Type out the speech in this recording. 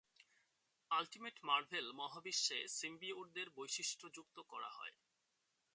"Ultimate Marvel" মহাবিশ্বে, সিম্বিওটদের বৈশিষ্ট্যযুক্ত করা হয়।